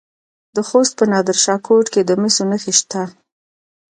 د خوست په نادر شاه کوټ کې د مسو نښې شته.